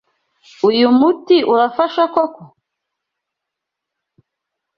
Uyu muti urafasha koko?